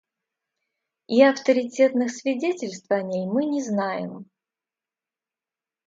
И авторитетных свидетельств о ней мы не знаем.